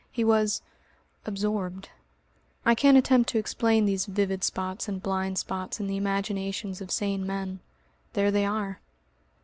He was absorbed. I can't attempt to explain these vivid spots and blind spots in the imaginations of sane men; there they are!